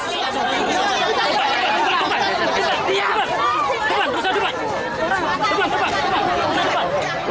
tepat tepat tepat tepat tepat tepat tepat tepat tepat tepat tepat tepat tepat tepat tepat